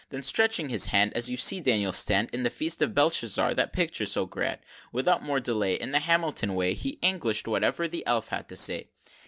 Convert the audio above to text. XXXII. Then stretching his hand, As you see Daniel stand, In the Feast of Belshazzar, that picture so grand! Without more delay, In the Hamilton way He English'd whatever the Elf had to say.